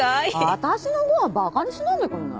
私のご飯馬鹿にしないでくんね？